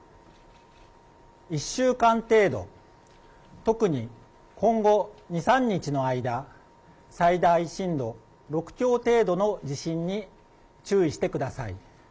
１週間程度、特に今後２、３日の間、最大震度６強程度の地震に注意してください。